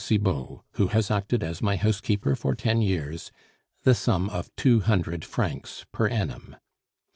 Cibot, who has acted as my housekeeper for ten years, the sum of two hundred francs per annum.